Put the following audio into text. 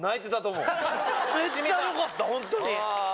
めっちゃよかったホントに。